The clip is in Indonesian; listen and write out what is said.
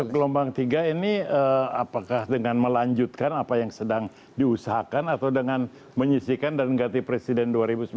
gelombang tiga ini apakah dengan melanjutkan apa yang sedang diusahakan atau dengan menyisikan dan mengganti presiden dua ribu sembilan belas